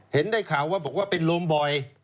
เห็นได้ข่าวว่าบอกว่าเป็นโรมบอย